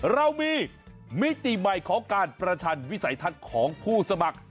เรามีมิติใหม่ของการประชันวิสัยทัศน์ของผู้สมัคร